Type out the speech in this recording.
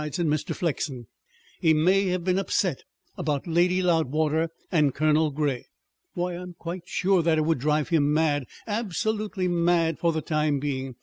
said Mr. Flexen. "He may have been upset about Lady Loudwater and Colonel Grey. Why, I'm quite sure that it would drive him mad absolutely mad for the time being.